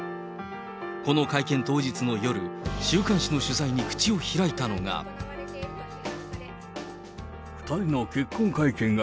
この会見当日の夜、週刊誌の取材に口を開いたのが。